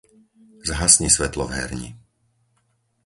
Zhasni svetlo v herni.